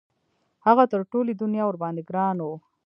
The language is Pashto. هغه تر ټولې دنیا ورباندې ګران وو.